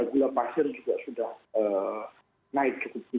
gula pasir juga sudah naik cukup